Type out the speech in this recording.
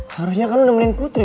harusnya kan lo nemenin putri